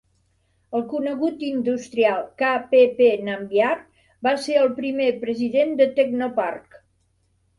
El conegut industrial K. P. P. Nambiar va ser el primer president de Technopark.